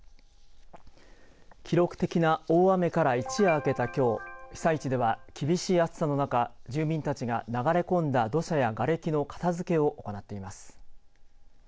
記録的な大雨から一夜明けたきょう被災地では厳しい暑さの中住民たちが流れ込んだ土砂やがれきの片づけを行っています。